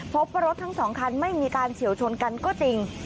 พบว่ารถทั้งสองคันไม่มีการเฉียวชนกันก็จริง